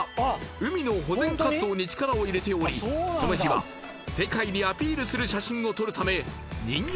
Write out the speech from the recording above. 海の保全活動に力を入れておりこの日は世界にアピールする写真を撮るため人魚